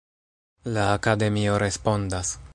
La Akademio respondas.